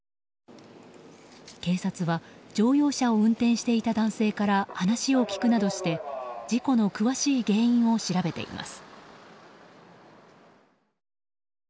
警察は、乗用車を運転していた男性から話を聞くなどして事故の詳しい原因を調べています。